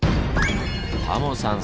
タモさん